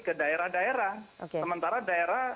ke daerah daerah sementara daerah